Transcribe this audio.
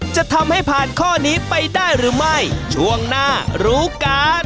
จะทำให้ผ่านข้อนี้ไปได้หรือไม่ช่วงหน้ารู้กัน